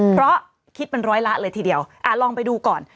เพราะคิดเป็นร้อยละเลยทีเดียวลองไปดูก่อน